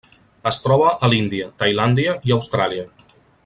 Es troba a l'Índia, Tailàndia i Austràlia.